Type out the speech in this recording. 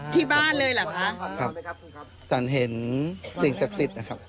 ที่บ้านเลยเหรอคะคุณครับสันเห็นสิ่งศักดิ์สิทธิ์นะครับ